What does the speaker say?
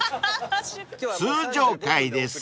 ［通常回です］